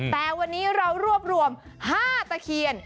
แต่วันนี้เรารวบรวม๕ตะเคียน